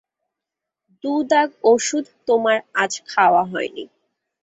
দু দাগ ওষুধ তোমার আজ খাওয়া হয় নি।